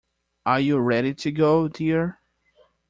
Are you ready to go, dear?